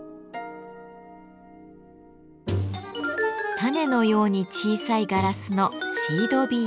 種のように小さいガラスの「シードビーズ」。